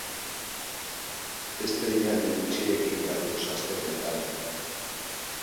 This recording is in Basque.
Estreinaldi gutxirekin gatoz aste honetan.